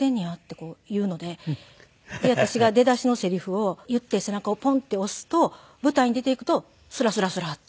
こう言うので私が出だしのセリフを言って背中をポンッて押すと舞台に出ていくとスラスラスラッて。